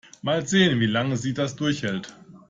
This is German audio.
Mal sehen, wie lange sie das durchhält.